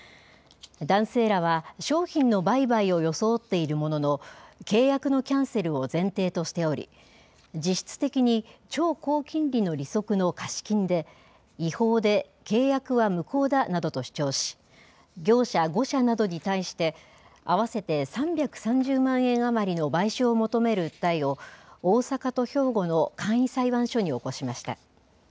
男性らは、商品の売買を装っているものの、契約のキャンセルを前提としており、実質的に超高金利の利息の貸金で、違法で契約は無効だなどと主張し、業者５社などに対して、合わせて３３０万円余りの賠償を求める訴えを、大阪と兵庫の簡易裁判所に起こしました。